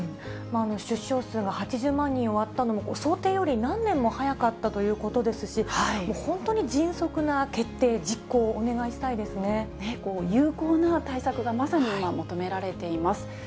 出生数が８０万人を割ったのも、想定より何年も早かったということですし、本当に迅速な決定、有効な対策がまさに今、求められています。